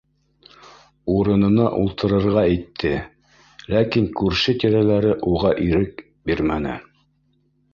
Урынына ултырырға итте, ләкин күрше-тирәләре уға ирек бирмәне: